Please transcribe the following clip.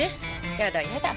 やだやだ。